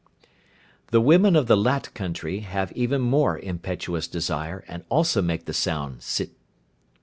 The women of the Lat country have even more impetuous desire, and also make the sound "Sit."